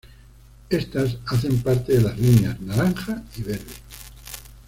Estas hacen parte de las líneas naranja y verde.